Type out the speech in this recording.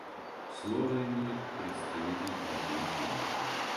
Слово имеет представитель Аргентины.